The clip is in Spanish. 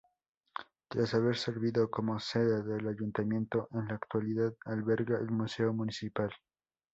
Tras haber servido como sede del ayuntamiento, en la actualidad alberga el museo municipal.